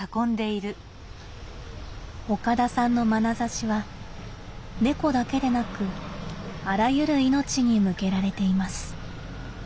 岡田さんのまなざしは猫だけでなくあらゆる命に向けられています。